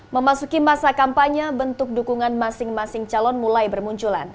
memasuki masa kampanye bentuk dukungan masing masing calon mulai bermunculan